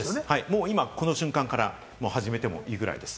もう今、この瞬間から始めてもいいくらいです。